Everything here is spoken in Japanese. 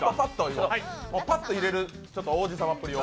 パッと入れる王子様っぷりを。